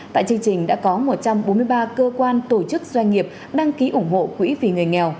tại chương trình đã có một trăm bốn mươi ba cơ quan tổ chức doanh nghiệp đăng ký ủng hộ quỹ vì người nghèo